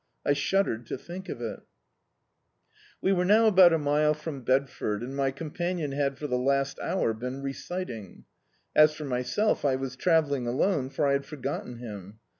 I shud dered to think of it We were now about a mile from Bedford, and my companion had for the last hour been reciting; as for myself I was travelling alone, for I had for gotten him.